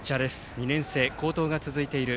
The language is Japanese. ２年生、好投が続いている。